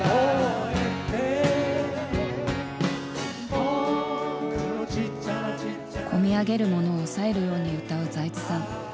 「僕のちっちゃな」こみ上げるものを抑えるように歌う財津さん。